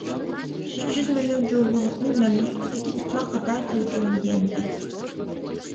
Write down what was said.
ئۈچ يۈز مىليون جۇڭگولۇقنى مەملىكىتىدىكى ئىتلار قاتارىدىمۇ كۆرمىگەنىدى.